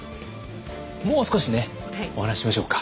もう少しねお話ししましょうか。